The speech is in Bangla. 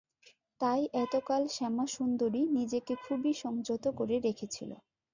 তাই এতকাল শ্যামাসুন্দরী নিজেকে খুবই সংযত করে রেখেছিল।